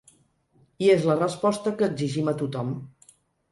I és la resposta que exigim a tothom.